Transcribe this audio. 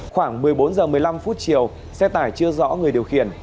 khoảng một mươi bốn h một mươi năm phút chiều xe tải chưa rõ người điều khiển